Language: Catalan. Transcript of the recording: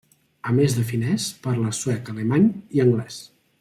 A més de finès parla suec, alemany i anglès.